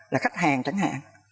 là khách hàng chẳng hạn